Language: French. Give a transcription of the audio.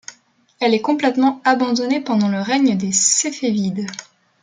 Elle est complètement abandonnée pendant le règne des Séfévides.